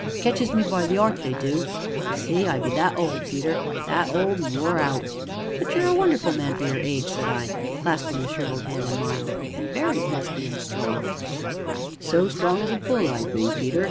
Ketches me by the 'eart they do; ye see I be that old, Peter, that old an' wore out." "But you're a wonderful man for your age!" said I, clasping the shrivelled hand in mine, "and very lusty and strong " "So strong as a bull I be, Peter!"